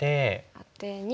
アテに。